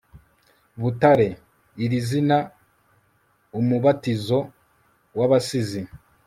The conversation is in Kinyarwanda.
butare ! iri zina, umubatizo w'abasizi